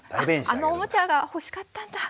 「あのおもちゃが欲しかったんだ。